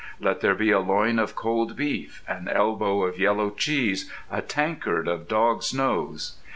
Let there be a loin of cold beef, an elbow of yellow cheese, a tankard of dog's nose.